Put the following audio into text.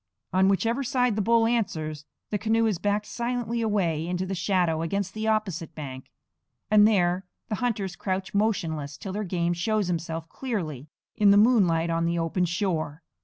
On whichever side the bull answers, the canoe is backed silently away into the shadow against the opposite bank; and there the hunters crouch motionless till their game shows himself clearly in the moonlight on the open shore.